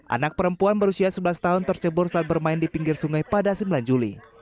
anak perempuan berusia sebelas tahun tercebur saat bermain di pinggir sungai pada sembilan juli